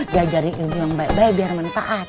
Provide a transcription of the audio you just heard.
diajari ilmu yang baik baik biar menetaat